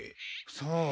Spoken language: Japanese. さあ？